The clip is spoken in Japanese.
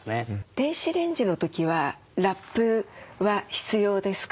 電子レンジの時はラップは必要ですか？